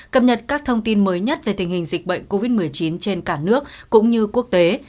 cập nhật các thông tin mới nhất về tình hình dịch bệnh covid một mươi chín trên cả nước cũng như quốc tế